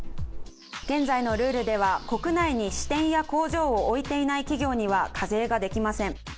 現在のルールでは国内に支店や工場を置いていない企業には置いていない企業には課税ができません。